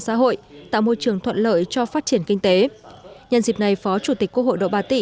xã hội tạo môi trường thuận lợi cho phát triển kinh tế nhân dịp này phó chủ tịch quốc hội độ bà tỉ